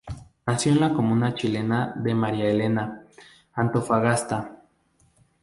Nació la comuna chilena de María Elena, Antofagasta.